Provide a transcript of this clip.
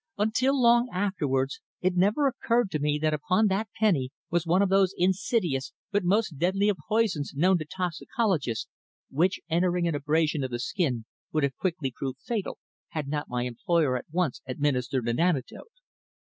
Until long afterwards it never occurred to me that upon that penny was one of those insidious but most deadly of poisons known to toxicologists, which, entering by an abrasion of the skin, would have quickly proved fatal had not my employer at once administered an antidote.